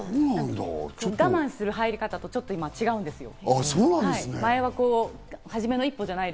我慢する入り方と、今はちょっと違うんですよ。